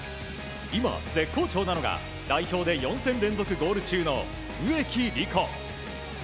今、絶好調なのが代表で４戦連続ゴール中の植木理子。